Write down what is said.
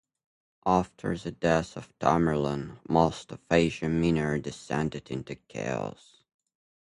After the death of Tamerlane, most of Asia Minor descended into chaos.